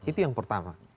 itu yang pertama